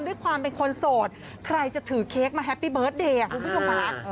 ด้วยความเป็นคนโสดใครจะถือเค้กมาแฮปปี้เบิร์ตเดย์คุณผู้ชมค่ะ